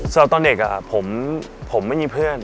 สำหรับตอนเด็กผมไม่มีเพื่อน